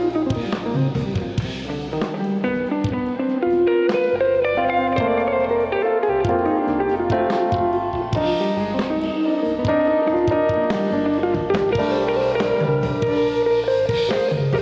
terima kasih banyak ibu